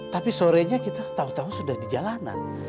tapi sorenya kita tahu tahu sudah di jalanan